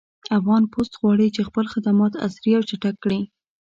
افغان پُست غواړي چې خپل خدمات عصري او چټک کړي